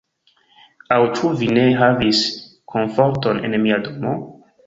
Aŭ ĉu vi ne havis komforton en mia domo?